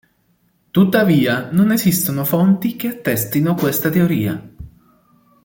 Tuttavia, non esistono fonti che attestino questa teoria.